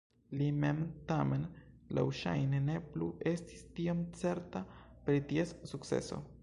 Li mem tamen laŭŝajne ne plu estis tiom certa pri ties sukceso.